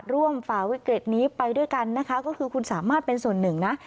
ฝ่าวิกฤตนี้ไปด้วยกันนะคะก็คือคุณสามารถเป็นส่วนหนึ่งนะ